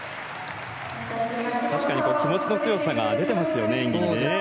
確かに気持ちの強さが出ていますね、演技に。